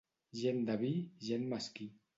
Gent de vi, gent mesquí.